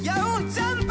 ジャンプ！